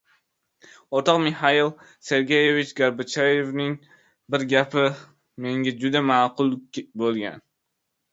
O‘rtoq Mixail Sergeevich Gorbachevning bir gapi menga juda ma’qul bo‘lgan.